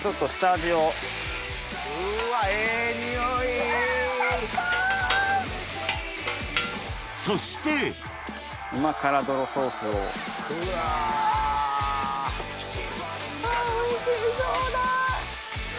・あおいしそうだ！